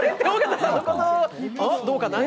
どうかな？